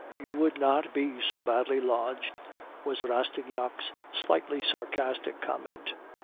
"'You would not be so badly lodged,' was Rastignac's slightly sarcastic comment.